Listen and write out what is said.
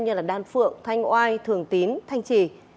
như đan phượng thanh oai thường tín thanh trì